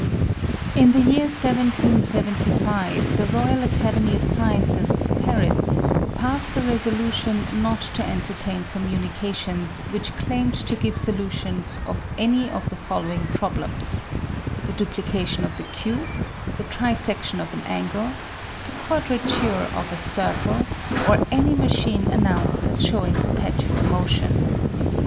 In the year 1775 the Royal Academy of Sciences of Paris passed a resolution not to entertain communications which claimed to give solutions of any of the following problems : The duplication of the cube, the trisection of an angle, the quadrature of a circle, or any machine an nounced as showing perpetual motion.